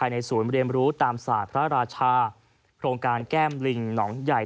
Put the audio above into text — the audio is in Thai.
ในศูนย์เรียนรู้ตามศาสตร์พระราชาโครงการแก้มลิงหนองใหญ่